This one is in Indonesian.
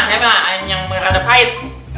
tangan saya pengen merada pahit